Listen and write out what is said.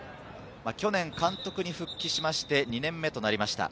去年、監督に復帰しまして、２年目となりました。